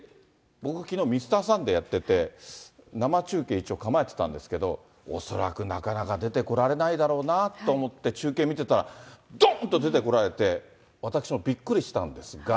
僕きのう、ミスターサンデーやってて、生中継、一応構えてたんですけれども、恐らくなかなか出てこられないだろうなと思って、中継見てたらどん！と出てこられて、私もびっくりしたんですが。